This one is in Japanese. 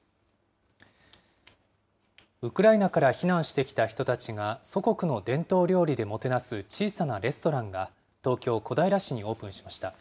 ウクライナから避難してきた人たちが祖国の伝統料理でもてなす小さなレストランが東京・小平市にオープンしました。